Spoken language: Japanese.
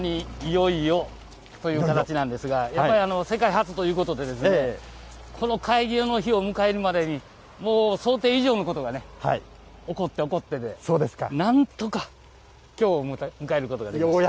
本当にいよいよという形なんですが、やっぱり世界初ということで、この開業の日を迎えるまでに、もう想定以上のことがね、起こって起こってで、なんとかきょうを迎えることができました。